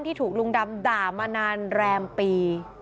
ถูกลุงดำด่ามานานแรมปี